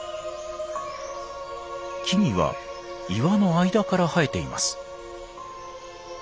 木々は岩の間から生えています。